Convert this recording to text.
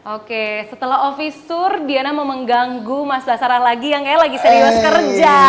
oke setelah office tour diana mau mengganggu mas basarah lagi yang kayaknya lagi serius kerja